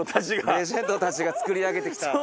レジェンドたちが作り上げてきた。